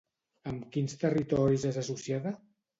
Amb quins territoris és associada?